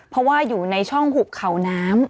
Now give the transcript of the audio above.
เพราะว่าอยู่ในช่องหุบเขาน้ำ